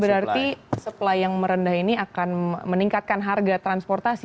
berarti supply yang merendah ini akan meningkatkan harga transportasi